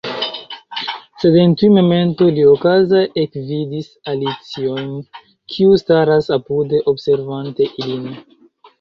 Sed en tiu momento li okaze ekvidis Alicion, kiu staras apude observante ilin.